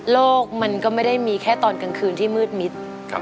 มันก็ไม่ได้มีแค่ตอนกลางคืนที่มืดมิด